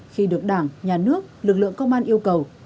khi được đảng nhà nước lực lượng công an yêu cầu